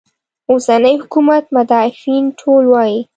اوسني حکومت مدافعین ټول وایي.